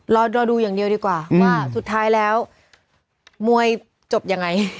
รอดูอย่างเดียวดีกว่าว่าสุดท้ายแล้วมวยจบยังไง